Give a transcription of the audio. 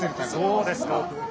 あそうですか。